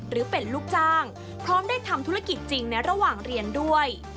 หรือเป็นลูกจ้างพร้อมได้ทำธุรกิจจริงในระหว่างเรียนด้วย